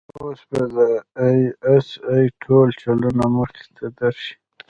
اوس به د آى اس آى ټول چلونه مخې ته درشي.